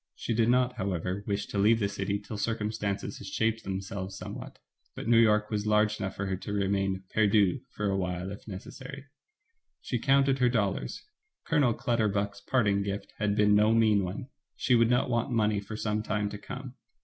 She did not, however, wish to leave the city till circumstances had shaped themselves somewhat ; but New York ^ was large enough for her to remain perdu for awhile if necessary She counted her dollars. Colonel Clutterbuck's parting gift had been no mean one. She would not want money for some time to come.